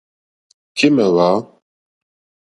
Kémà hwǎ.